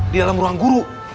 di dalam ruang guru